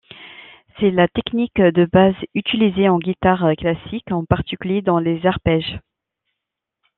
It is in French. C'est la technique de base utilisée en guitare classique, en particulier dans les arpèges.